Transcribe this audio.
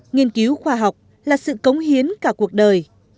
nghiên cứu khoa học là sự cống hiến cả cuộc đời